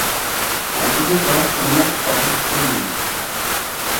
Allquuqa hunaqpam puñun.